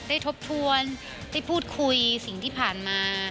ทบทวนได้พูดคุยสิ่งที่ผ่านมา